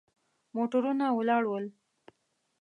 موټرونه ولاړ ول.